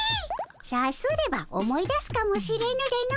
さすれば思い出すかもしれぬでの。